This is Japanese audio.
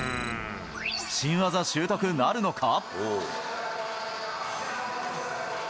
新技習得なるのか。